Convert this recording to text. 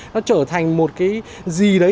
nó trở thành một cái gì đấy